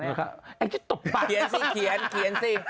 ไออิจ๊ะตบป้าะนะครับเขียนสิ